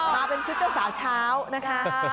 มาเป็นชุดเจ้าสาวเช้านะคะ